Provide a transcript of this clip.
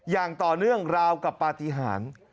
อย่างต่อเนื่องราวกับปฏิหาร